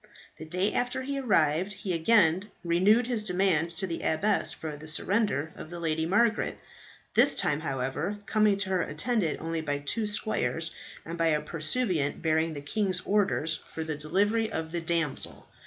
The day after he arrived, he again renewed his demand to the abbess for the surrender of the Lady Margaret; this time, however, coming to her attended only by two squires, and by a pursuivant bearing the king's order for the delivery of the damsel.